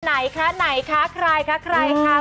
ไหนคะไหนคะใครคะใครคะ